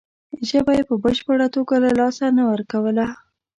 ژبه یې په بشپړه توګه له لاسه نه ورکوله.